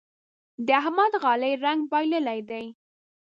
د احمد غالۍ رنګ بايللی دی.